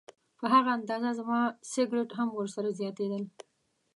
په هغه اندازه زما سګرټ هم ورسره زیاتېدل.